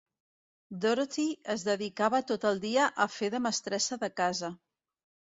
Dorothy es dedicava tot el dia a fer de mestressa de casa.